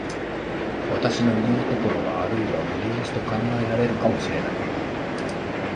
私のいう所があるいは無理押しと考えられるかも知れない。